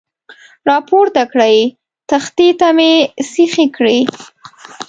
را پورته کړې، تختې ته مې سیخې کړې.